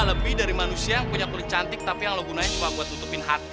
terus waktu itu juga gak bisa